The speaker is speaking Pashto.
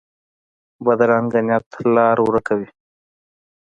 بدرنګه نیت لار ورکه وي